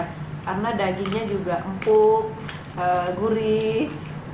karena dagingnya juga empuk gurih